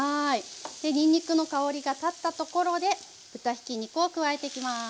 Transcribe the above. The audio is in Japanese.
にんにくの香りが立ったところで豚ひき肉を加えていきます。